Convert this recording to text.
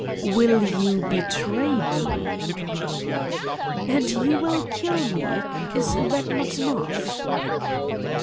" "Will you betray me?" ' l And you will kill me. Is that not enough!